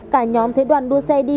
cả nhóm thế đoàn đua xe đi